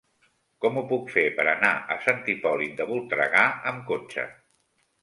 Com ho puc fer per anar a Sant Hipòlit de Voltregà amb cotxe?